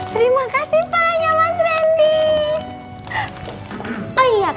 terima kasih banyak mas randy